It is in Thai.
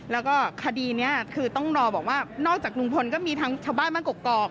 แล้วก็คดีนี้คือต้องรอบอกว่านอกจากลุงพลก็มีทั้งชาวบ้านบ้านกรอก